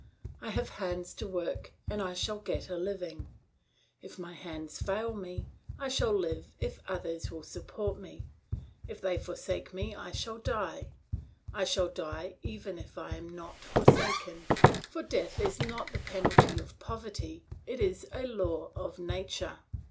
I have hands to work, and I shall get a living. If my hands fail me, I shall live if others will support me; if they forsake me I shall die; I shall die even if I am not forsaken, for death is not the penalty of poverty, it is a law of nature.